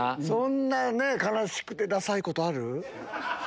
そんな悲しくてダサいことある？